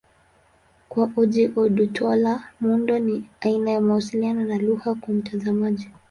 Kwa Ojih Odutola, muundo ni aina ya mawasiliano na lugha kwa mtazamaji.